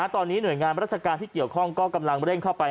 ตอนนี้หน่วยงานราชการที่เกี่ยวข้องก็กำลังเร่งเข้าไป